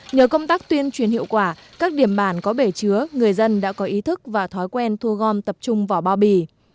nhờ công tác tuyên truyền hiệu quả các điểm bản có bể chứa người dân đã có ý thức và thói quen thu gom tập trung vỏ bao bì